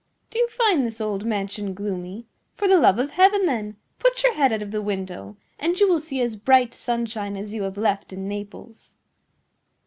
Do you find this old mansion gloomy? For the love of Heaven, then, put your head out of the window, and you will see as bright sunshine as you have left in Naples."